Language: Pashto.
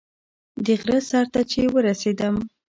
د غره سر ته چې ورسېدم.